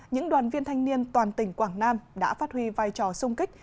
những đoàn viên thanh niên toàn tỉnh quảng nam đã phát huy vai trò sung kích